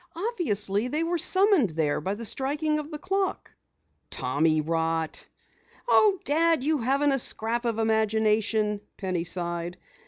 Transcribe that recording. Obviously, they were summoned there by the striking of the clock." "Tommyrot!" "Oh, Dad, you haven't a scrap of imagination," Penny sighed.